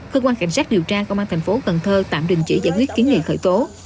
cơ quan cảnh sát điều tra công an thành phố cần thơ tạm đình chỉ giải quyết kiến nghị khởi tố